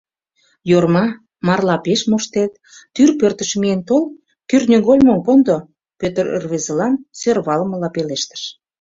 — Йорма, марла пеш моштет, тӱр пӧртыш миен тол, кӱртньыгольмым кондо, — Пӧтыр рвезылан сӧрвалымыла пелештыш.